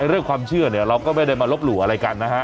เรื่องความเชื่อเนี่ยเราก็ไม่ได้มาลบหลู่อะไรกันนะฮะ